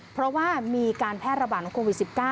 เพราะว่ามีการแพทย์ระบันโควิด๑๙